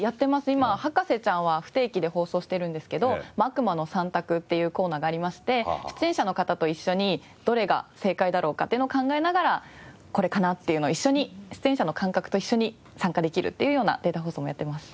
今『博士ちゃん』は不定期で放送しているんですけど「悪魔の３択」っていうコーナーがありまして出演者の方と一緒にどれが正解だろうかっていうのを考えながらこれかなっていうのを一緒に出演者の感覚と一緒に参加できるっていうようなデータ放送もやっています。